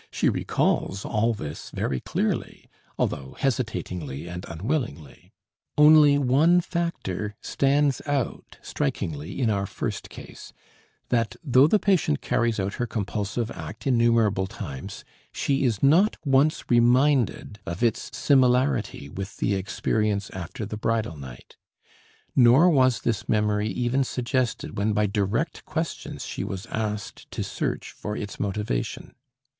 She recalls all this very clearly, although hesitatingly and unwillingly. Only one factor stands out strikingly in our first case, that though the patient carries out her compulsive act innumerable times, she is not once reminded of its similarity with the experience after the bridal night; nor was this memory even suggested when by direct questions she was asked to search for its motivation.